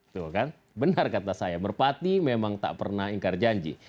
tuh kan benar kata saya merpati memang tak pernah ingkar janji